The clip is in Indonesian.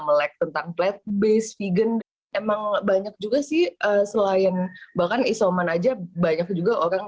melek tentang flat based vegan emang banyak juga sih selain bahkan isoman aja banyak juga orang